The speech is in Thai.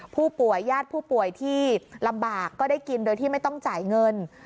ผู้ป่วยญาติผู้ป่วยที่ลำบากก็ได้กินโดยที่ไม่ต้องจ่ายเงิน